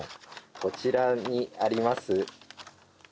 こちらにあります